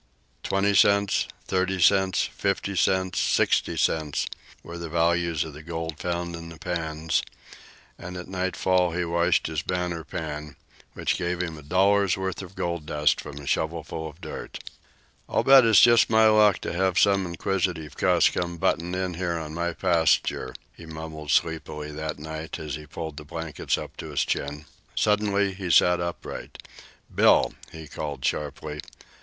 Twenty cents, thirty cents, fifty cents, sixty cents, were the values of the gold found in the pans, and at nightfall he washed his banner pan, which gave him a dollar's worth of gold dust from a shovelful of dirt. "I'll just bet it's my luck to have some inquisitive one come buttin' in here on my pasture," he mumbled sleepily that night as he pulled the blankets up to his chin. Suddenly he sat upright. "Bill!" he called sharply.